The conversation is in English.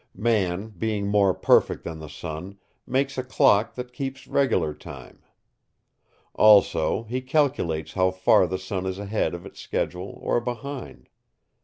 Man, being more perfect than the sun, makes a clock that keeps regular time. Also, he calculates how far the sun is ahead of its schedule or behind.